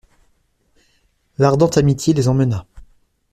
L'Ardente-Amitié les emmena.